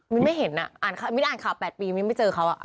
มิ้นไม่เห็นอ่ะมิ้นอ่านข่าว๘ปีมิ้นไม่เจอเขาอ่ะ